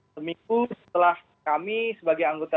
seminggu setelah kami sebagai anggota